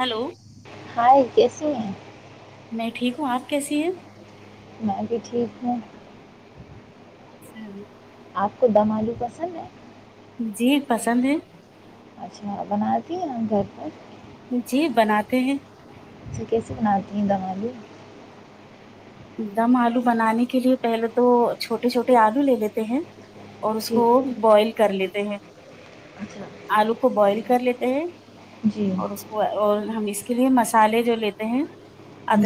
hello hi کیسے ہیں میں ٹھیک ہوں آپ کیسی ہیں ٹھیک ہوں [unintelligible] آپ کو دم آلو پسند ہے جی پسند ہے اچھا بنا دیے ہم گھر پر جی بناتے ہیں اچ کیسیے بناتی دو بھی دم آلو بنانے کے لیے پہلے تو چھوٹے چھوٹے آلو لے لیتے ہیں اور اس جی کو بوائل کر لیتے ہیں اچھا آلو کو بوائل کر لیتے ا جی [inaudible] اور اس کو اور ہم اس اس لیے مسالحے جو لیتے ہیں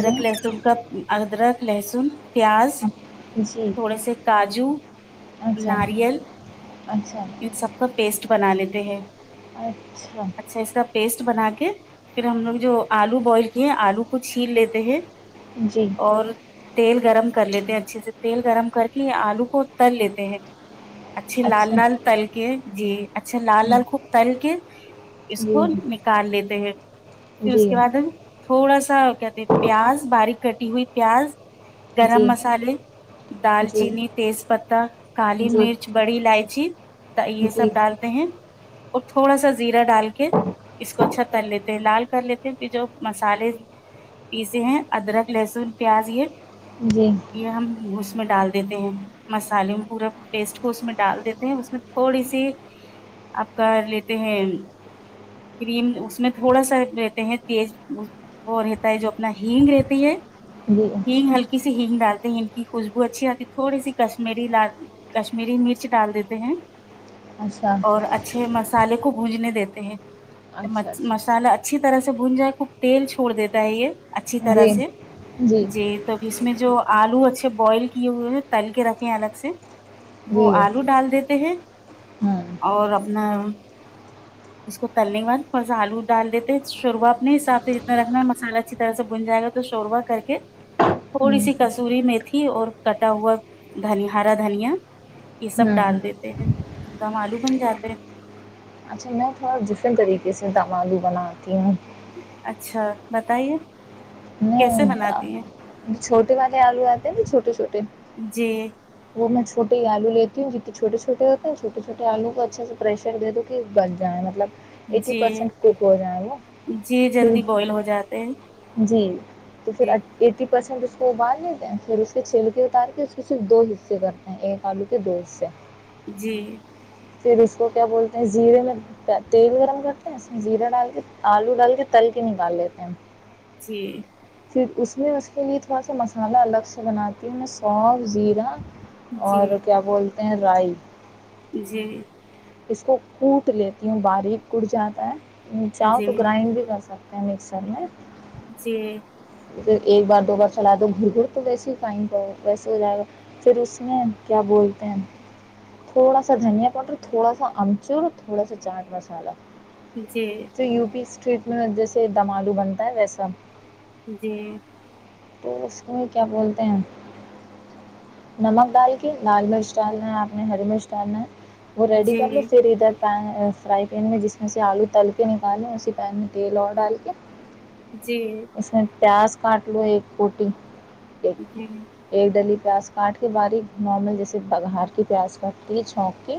جی لسم کا ادرک لہسن پیاز جی تھوڑے سے کاجو اچھا ناریل اچھا ان سب کا پیسٹ بنا لیتے ہیں اچھا [inaudible] اچھا اس کا پیسٹ بنا کے پھر ہم لوگ جو آلو بوائل کیے ہیں آلو کو چھیل لیتے ہیں جی اور تیل گرم کر لیتے ہیں اچھے سے تیل گرم کر کے آلو کو تر لیتے ہیں اچھیے لال اچھا لال تل کے جی اچھا لال ہوں، لال خوب تل کے جی اسکول نکال لیتے ہیں جی پھر جی اس کے بعد تھوڑا سا کیاتے پیاز باریک کٹی ہوئی پیاز جی گرم مسالے دال جی چینی تیز پتہ کالی جی مرچ بڑی الائچی یہ سب ڈالتے ہیں اور تھوڑا سا زیرہ ڈال کے اس کو اچھا تل لیتے ہیں لال کر لیتے ہیں پھر جو مسالے پیسے ہیں ادرک لہسن پیاز یہ جی یہ ہم ب اس میں ڈال دیتے ہیں مسالے میں پورے پیسٹ کو اس میں ڈال دیتے ہیں اس میں تھوڑی سی آپ کا لیتے ہیں کریم اس میں تھوڑا سا رہتے ہیں تیز وہ رہتا ہے جو اپنا ہگ رہتی ہے جی ہگ ہلکی ہگ ڈالتے ہیں ان کی خوشبو اچھی آتی ہے تھوڑی سی کشمیری لال کشمیری مرچ ڈال دیتے ہیں اچھا اور اچھے مسالے کو گونجنے دیتے ہیں اچھا اچھا مسالا اچھی طرح سے سے بونجا خ تیل چھڑ دیتا ہے یہ اچھی جی طرح سے جی تبھی اس میں جو آلو اچھے بوائل کیے ہوئے ہیں تل کے رکھے الگ سے جی وہ آلو ڈال دیتے ہیں ہوں اور اپنا اس کو تلنے کے بعد تھوڑا سا آلو ڈال دیتے ہیں شوربا اپنے حساب سے جتنا رکھنا مسالہ اچھی طرح سے بن جائے گا تو شوربہ کر کے تھوڑی ہوں سی کسور میں تھی اور کٹا ہوا ہرا دنی ہرا دھنیا یہ سب ہوں ڈال دیتے ہیں دام آلو پن جاتے اچھا میں تھوڑا ڈفرینٹ طریقے سے تم آلو بناتی ہوں اچھا بتائیے کیسے بناتی ہیں میں چھوٹے والے آلو آتے ن چھوٹے چھوٹے جی تو میں چھوے ہی آلو لیتی ہوں جتنے چوٹے چھوٹ ہو ہیںھوٹے چھوٹے آو کو اچھے سے پریش دے دو کہ بچ جائیں مطل جی جی پھر جلدی بوائل ہو جاتے ہیں جی تو پھر جی [unintelligible] پسند اس کو ابال لیتے ہیں پھر اس کے چھلک اتار کے اس کے صرف دو حصے کرتے ہیں ایک آلو کے دو حصے [unintelligible] پھر اس کو کیا بولتے ہیں زیرے میں تیل گرم کرتے ہیں اس میں زیرہ ڈال کے آلو ڈال کے تل کے نکال لیتے ہیں جی پھر اس میں اس کے لیے تھوڑا سا مسالحہ الگ سے بناتی ہوں میں سوف زیرہ اور جی کیا بولتے رائی جی اس کو کوٹ لیتی ہوں باریک کٹ جاتا ہے چاہو جی تو گرائنڈ بھی کر سکتے پ مکسر میں جی پھر ایک بار دو بار چلا دو گھر گھر تو ویسے ہی کھائ پؤ ویسے ہو جائے گا پھر اسس میں کیا بولتے ہیں تھوڑا سا دھنیا پاؤڈر تھوڑا سا امچور تھوڑا سا چاٹ مسالہ جی تو یو پی اسٹٹ جیسے دملو بنتا ہے ویسا جی تو اس کو کیا بولتے ہیں نمک ڈال کے لال مرچ ڈالنا ہے آپ نے ہری مرچ ڈالنا ہے فر و ریڈیو جی کر لو جی فرائی پین میں جس میں سے آلو تل کے نکالیں اسی پین میں تیل اور ڈال کے جی اس پیاس فٹ لو ایک کوٹی ایک جی ایک دلیپ پس کاٹ کے باریک نارمل جیسے بگھار کی پیاز کاتی چونک کے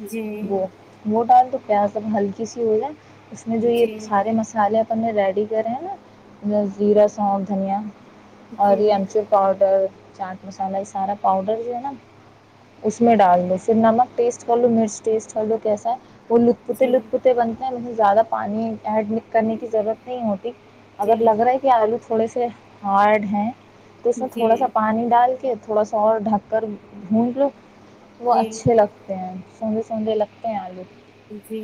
جی وہ موٹال [inaudible] تو پیاز اب ہلکی سی ہو جائے اس میں جی جو یہ جی سارے مسالے اپنے ریڈی کریں نا زیرہ سونکھ دھنیا جی ہری ہم سے پاؤڈر چار مسالا یہ سارا پاؤڈر جو ہے نا اس میں ڈال دو پھر نمک ٹیسٹ کر لو مرچ ٹیسٹ کر لو کیسا ہے وہ لطت پوتے لت پوتے بنتے ہیں نہیں زیادہ پانی ایڈ کرنے کی ضرورت نہیں ہوتی اگر لگ رہا ہے کہ آلو سے تھوڑے سے ہارڈ ہیں تو اس میں جی تھوڑا سا پانی ڈال کے تھوڑا سا اور ڈھک کر گھونڈ لو وہ جی اچھے لگتے ہیں سوندے سوندے لگتے ہیں آلوگ جی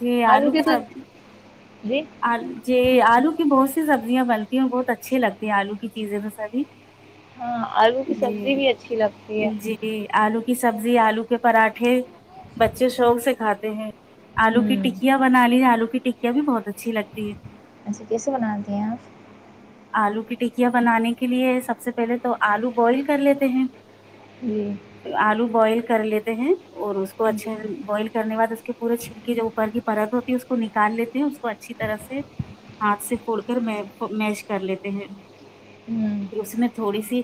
جی آلو کے کی تو سبزی جی جی آلو کی بہت سبزیاں بنتی ہیں اور بہت اچھی لگتی ہیں آلو کی چیزیں تو سبھی ہاں آلو کی جی سبزی بھی اچھی لگتی ہے جی آلو کی سبزی آلو کے پراھے بچے شوق سے کھاتے تو ہوں آلو کی ہوں ٹکیاں بن لی آلو کی کیا بھی بہت اچھی لگتی ہے اچھا کیسے بناتے ہیں آپ آلو کی ٹکیاں بنانے کے لیے سب سے پہلے تو آلو بوائل کر لیتے ہیں جی اورو بئےس کر لیتے ہیں اور اس کو اچھے بوائل کرنے بع اس کے پورے چھلکی جو اوپر کی ت ہوتی ہے اس کو نکال لیتے ہیں اس کو اچھی طرح سے ہاتھ سے پھوڑ کر می کر لیتے ہیں ہوں پھر اس میں تھوڑی سی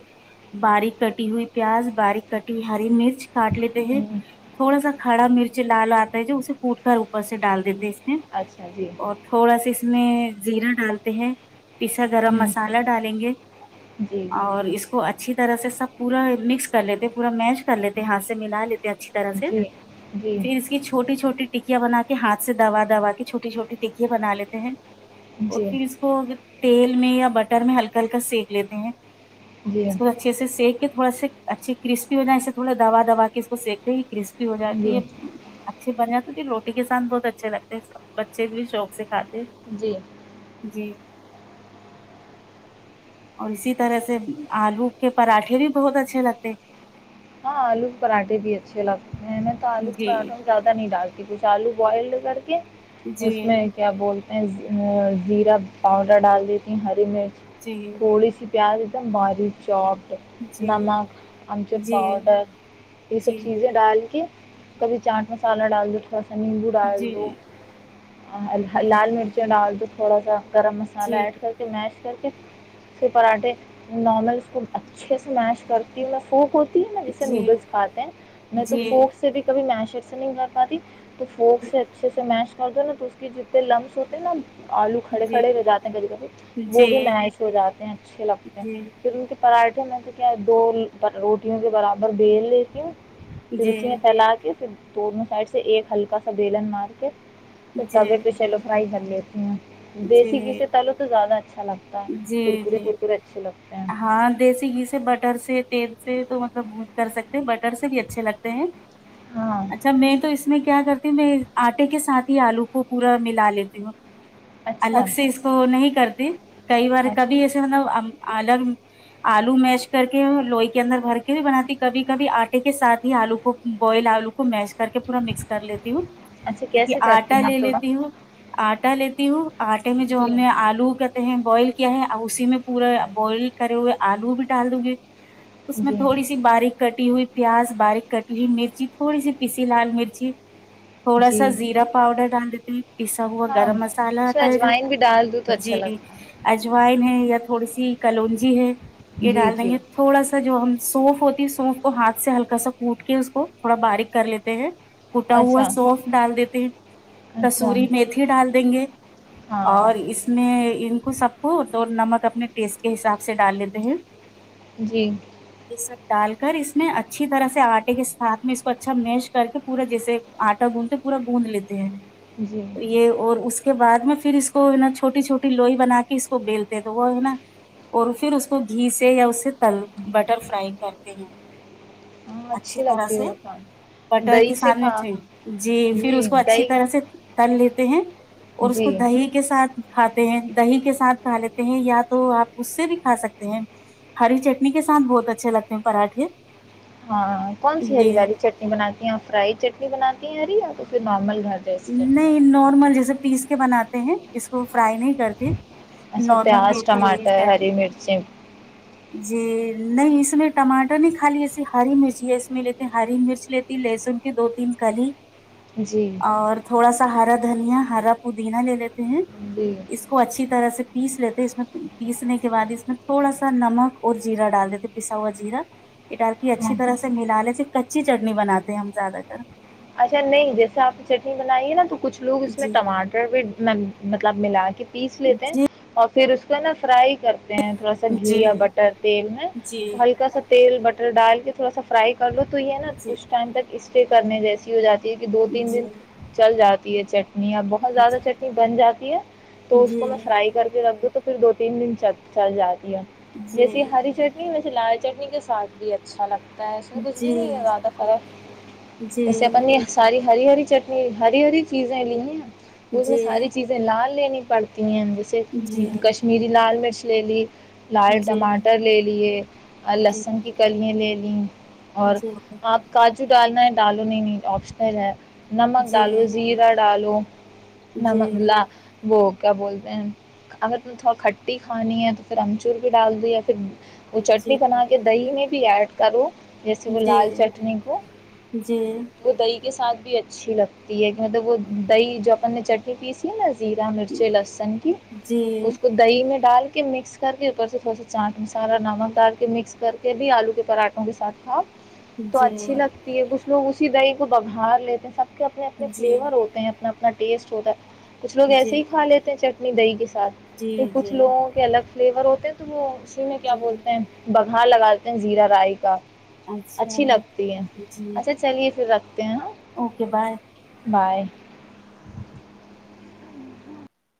باریک کٹی ہوئی پیاز باریک کٹی ہوئی ہری مرچ کاٹ لیتے ہیں ہوں، تھوڑا سا کھڑا مرچ لال آتا ہے جو اسے پھوٹ کر اوپر سے ڈال دیتے ہیں اس اچھا جی اور تھوڑا سا اس میں زیرا ڈالتے ہیں پیسا گرم ہوں مسالہ ڈالیں گے جی اور اس کو اچھی طرح سے سب پورا مکس کر لیتے پورا میچ کر لیتے ہاتھ سے ملا لیتے اچھی طرح سے جی جی پھر اس کی چھوٹی چھوٹی ٹکیاں بنا کے ہاتھ سے دبا دبا کے چوٹی چھوٹی ٹکیا بنا لیتے ہیں اور جی پھر اس کو ا تیل میں یا بٹر میں ہلکا ہلکا سیک لیتے ہیں جی اس کو اچھے سے سیک تھوا اچھی کرسپی ہو جائ اسے تھوڑا دوا د دوا کے اس کو سیکتے گ کہ کرسپی ہو جی جاتی یہ اچھے بن جات مجھے روٹی کے ساتھ بہت اچھے لگتے ہیں بچے بھی شوق سے کھاتے جی جی اور اسی طرح سے آلو کے پراٹھے بھی بہت اچھے لگتے ہاں آلو کے پراٹھے بھی اچھے لگتے میں نے تو آلو کا جی پراٹھا زیادہ نہیں ڈالتی کچھ آلو بوائل لڑکے اس جی میں کیا بولتے زیرہ پاؤڈر ڈال دیتی ہوں ہری مرچ جی تھوڑ اسی پیا دی ہماری چپ جی ناماک ہمچ جی پاؤڈر یہ سب جی چیزیں ڈال کے کبھی چاٹ مسالہ ڈال دیتے تھوڑا سا نیمبو ڈال جی دو لال مرچ ڈال دو تھوڑا سا گرم مسالہ جی ایڈ کر کے میش کر [inaudible] سے پراٹھے نارملس کو اچھے سے میش کرتی ہوں میں پوک ہو میں جسے جی نوڈلس کھاتے ہیں میں جی تو جی فوک سے بھی کھی میش چس نہیں و پادی تو فوک سے اچھے سے میچ پتے نا تو اس کے جتنے لمس ہوتے نا آلو کھڑے جی جی کھڑے ہوے جاتے ہیں کبھی کبھی وہ جی بھی میش ہو جاتے ہیں اچھے لگتے ہیں جی پھر ان کے پراٹھے میں سے کیا ہے دو رو ٹیوں سے برابر بیل لیتی ہوں پھر اسی میں پھیلا کے پھر دونوں سائڈ سے ایک ہلک سا بیلن مارک پھر توے پہ چلو فرائی کرنے ہ [inaudible] دیسی جی گھسے تالو تو زیادہ اچھا لگتا ہے تا جی کرکریی جی کرکی اچھے لگتا ہاں دیسی گھی سے بٹر سے تیل سے تو مطلب کر سکتے ہیں بٹر سے بھی اچھے لگتے ہیں ہاں اچھا میں تو اس میں کیا کرتا میں آٹے کے ساتھ ہی آلو کو پورا ملا لیتی ہوں اچھا الگ سے اس کو نہیں کرتی کئی بار کبھی اچھا ایسے مطلب الگ آلو میش کر کے لوئی کے اندر بھر کے ہوئے بناتی کبھی کبھی آٹے کے سھ ہی آلو کو بوائل آلو کو میش کر کے پورا مکس کر لیتی ہوں اچھا جے کیسے کرتی آٹا ہیں آپ لے تھوڑا لیتی ہوں آٹا لیتی ہوں آٹے میں جو جی ہم نے آلو کہتے ہیں بوائل کیا ہے ا اسی میں پورا بوئل کرے ہوئے آلو بھی ڈال د گے اس میں جی تھوڑی سی باریک کٹی ہوئی پیاز باریک کتی مرچی تھوڑی سی پیسی لال مرچی تھوڑا سا جی زیرا پؤڈر ڈال دی جی پیسا ہوا ہاں گرم مسالحہ اس میں آتا ہے جو اجوائن بھی ڈال دوں تو اچھا جی لگتا اجوائن ہے یا تھوڑی سی کلونجی ہیں ہے یہ جی ڈال دیں جی گے تھوڑا سا جو ہم سونف ہوتی ہے سونف کو ہاتھ سے ہلکا سا کوٹ کے اس کو تھوڑا باریک کر لیتے ہیں ٹا ہوا اچھا سوف ڈال دیتے ہیں اچھا کسوری میتھی ڈال دیں گے ہاں اور اس میں ان کو سب کو تو نمک اپنے ٹیسٹی کے حساب سے ڈال لیتے ہیں جی یہ سب ڈال کر اس میں اچھی طرح سے آٹے کے سھ میں اس کو اچھا میش کر کے پورا جیسے آٹا گوندھتے پورا گوند لیتے جی تو یہ اور اس اس کے بعد میں پھر اس کو ہے نا چھوٹی چھوٹی لوئی بنا کے اس کو بیلتے تو وہ ہے نا اور پھر اس کو گھی سے یا اس سے تل بٹر فرائی کرتے ہیں ہاں اچھی طرح لگتی سے ہے کھانا بٹر کی دہی سے کھا سینڈوچ جی پھر اس کو اچھی طرح سے تل لیتے ہیں اور اس کو جی دہی کے ساتھ کھاتے ہیں دہی کے ساتھ کھا لیتے ہیں یا تو آپ اس سے بھی کھا سکتے ہیں ہری چٹنی کے ساتھ بہت اچھے لگتے ہیں پراٹھے ہاں کون سی جی ہری والی چٹنی بناتی ہیں فرائی چٹنی بناتی ہرییا تو پھر نارمل گھر جیسی چٹنی نہیں بناتی ہیں نارمل جیسے پیس کے بناتے ہیں اس کو فرائی نہیں کرتے اچھا نارمل پیاز پیسی ہوئی ٹمٹر ہری چٹنی مرچی جی نہیں اس میں ٹماٹر نہیں خالی ایسی ہری مرچ ہے اس میں لیتے ہری مرچ لیتی لہسن کے دو تین کلی جی اور تھوڑا سا حرت دھیا ہرا پودینا لے لیتے ہیں جی اس کو اچھی طرح سے پیس لیتے ہیں اس میں پیسنے کے بد اس میں تھوڑا سا نمک اور جیرا ڈال دیتے پسا ہوا جیرا یہ ڈال کے اچھی ہاں طرح سے ملا لیے سے کچی چٹنی بنات ہیں ہم زیادہ تر اچھا نہیں جیسا آپ چٹنی بنائیے نا تو کچھ لوگ اس میں جی ٹماٹر بھی مطلب ملا کے پیس لیتے ہیں جی اور پھر اس کو نا فرائی کرتے ہیں تھوڑا سا جی گھی بٹر تیل میں جی تو ہلکا سا تیل بٹر ڈال کے تھوڑا س فرائی کر لو تو یہ ہے نا جی کچھ ٹائم تک اس کرنے جیسے جات ج دو تین دن جی چل جاتا ت چار [unintelligible] نی اب بہت زیادہ چٹنی بن جاتی [inaudible] تو اس کو جی میں فرائی کر کے رکھ دوں تو پھر دو ت تین دن چ چا جات جیسے ہری چٹنی ویسے لال چٹنی کے ساتھ بھی اچھا لگتا ہے پ اس میں کچھ جی بھی نہیں ہے زیادہ ت خر جی ہے اسے جی اپنی ساری ہری ہری چٹنی ہری ہری چیزیں لی ہیں اس میں جی ساری چیزیں لال لین پڑتے جیسے جی کشمیری لال م ل لی [inaudible] جی لال جی ٹماٹر لے لیے اور جی لہسن کی کلیاں لے لی [inaudible] اور آپ کاجو ڈالنا ہے ڈالو آپشنل ہے جی نمک جی ڈالو زیرا ڈالو نم جی جی ل وہ کیا بولتے ہیں اگر ت تھوڑا کھٹی کھانی ہے تو پھر امچور بھی ڈال دو یا پھر وہ جی چٹنی بنا کے دہی میں بھی ایڈ کروں جیسے وہ جی لال چٹنی کو جی جی وہ دہی کے ساتھ بھی اچھی لگتی ہے کہ مطلب وہ دہی جو اپن نے چٹنی پیسی ہے نا زیرا مرچی لہسن کی اس کو دہی میں ڈال کے مکس کر کے اوپر سے تھوڑا سا چاٹ مسالہ نمک ڈال کے مکس کر کے بھی آلو کے پراٹھوں کے ساتھ کھاؤ تو اچھی لگتی ہے کچھ لوگ اس دہی کو ببھار لیتے ہیں سب کے اپنے اپنے فلیور ہوتے ہیں اپنا نہ ٹیسٹ ہوتا ہے کچھ لوگ جی ایسے جی ہی کھا لیتے ہیں چ نہیں دئی کسی [unintelligible] جی کچھ لوگوں کے الگ فلیور ہوتے ت وہ [unintelligible] میں کیا جی بولتے ہیں بگ ہاں لگاتے ہیں زیرا رائی کا اچھا اچھی لگتی ہے جی اچھا چلیے پھر رکھتے ہیں ہاں اوکے بائے بائے